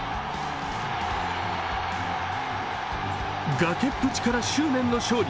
崖っぷちから執念の勝利。